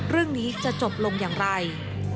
เรื่องนี้จะจบลงอย่างไร